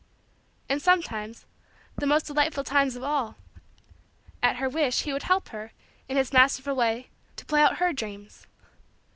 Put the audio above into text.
And sometimes the most delightful times of all at her wish, he would help her, in his masterful way, to play out her dreams.